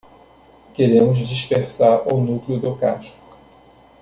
Queremos dispersar o núcleo do casco.